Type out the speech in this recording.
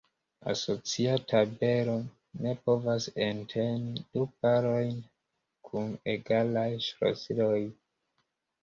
Asocia tabelo ne povas enteni du parojn kun egalaj ŝlosiloj.